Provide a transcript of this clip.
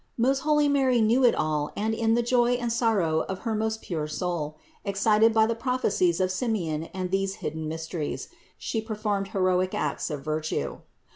Most holy Mary knew it all and in the joy and sor row of her most pure soul, excited by the prophecies of Simeon and these hidden mysteries, She performed heroic acts of virtue.